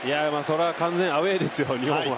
完全にアウェーですよ、日本は。